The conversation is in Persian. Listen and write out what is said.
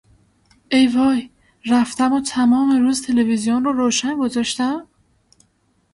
ای وای! رفتم و تمام روز تلویزیون را روشن گذاشتم؟